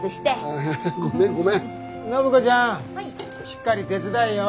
しっかり手伝えよ。